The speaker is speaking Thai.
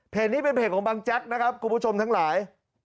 นี้เป็นเพจของบังแจ๊กนะครับคุณผู้ชมทั้งหลาย